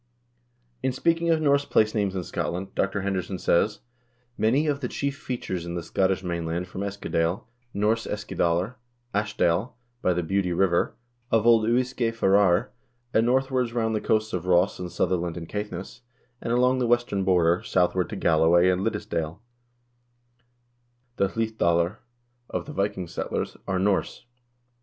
In speaking of Norse place names in Scotland, Dr. Henderson says:2 "Many of the chief features in the Scottish mainland, from Eskadale, Norse Eskidalr, 'Ash dale,' by the Beauly River, of old Uisge Farrar, and northwards round the coasts of Ross and Sutherland and Caithness, and along the western border, southward to Galloway and Liddesdale, the Hlid dalr of the Viking settlers, are Norse.